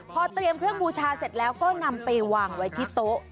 พอเตรียมเครื่องบูชาเสร็จแล้วก็นำไปวางไว้ที่โต๊ะ